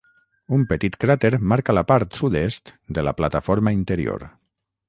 Un petit cràter marca la part sud-est de la plataforma interior.